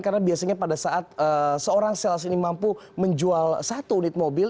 karena biasanya pada saat seorang sales ini mampu menjual satu unit mobil